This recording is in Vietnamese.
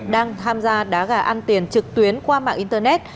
đang tham gia đá gà ăn tiền trực tuyến qua mạng internet